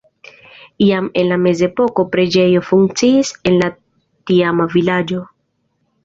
Jam en la mezepoko preĝejo funkciis en la tiama vilaĝo.